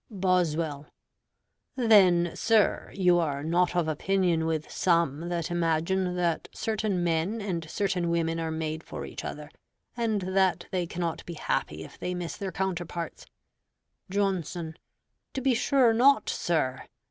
Boswell Then, sir, you are not of opinion with some that imagine that certain men and certain women are made for each other; and that they cannot be happy if they miss their counterparts. Johnson To be sure not, sir.